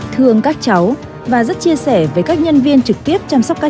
thương các cháu và rất chia sẻ với các nhân viên trực tiếp